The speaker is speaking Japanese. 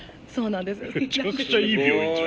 めちゃくちゃいい病院じゃん。